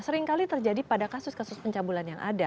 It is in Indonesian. seringkali terjadi pada kasus kasus pencabulan yang ada